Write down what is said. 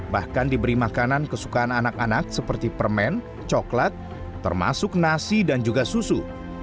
bahkan diberi makanan kesukaan anak anak seperti permen coklat termasuk nasi dan juga susu